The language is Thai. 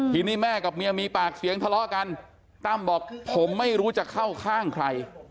ทีนี้แม่กับเมียมีปากเสียงทะเลาะกันตั้มบอกผมไม่รู้จะเข้าข้างใคร